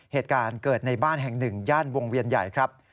เหตุการณ์เกิดในบ้านแห่งหนึ่งย่านวงเวียนใหญ่ครับ